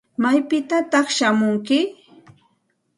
¿Maypitataq shamunki?